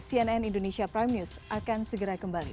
cnn indonesia prime news akan segera kembali